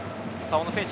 小野選手